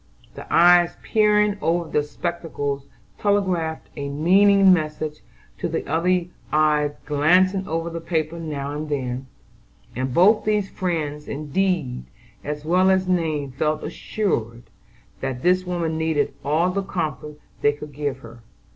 The eyes peering over the spectacles telegraphed a meaning message to the other eyes glancing over the paper now and then; and both these friends in deed as well as name felt assured that this woman needed all the comfort they could give her.